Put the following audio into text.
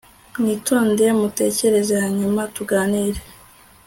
mwitonde mutekereze, hanyuma tuganire